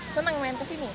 senang main kesini